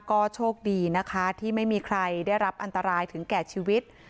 ก็โชคดีนะคะที่ไม่มีใครได้รับอันตรายถึงแก่ชีวิต